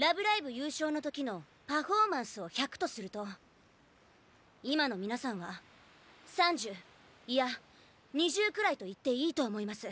優勝の時のパフォーマンスを１００とすると今の皆さんは３０いや２０くらいと言っていいと思います。